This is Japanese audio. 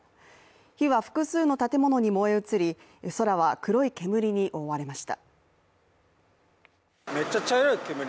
火は複数の建物に燃え移り空は黒い煙に覆われました。